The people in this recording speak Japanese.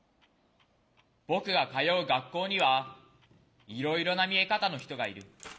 僕が通う学校にはいろいろな見え方の人がいる。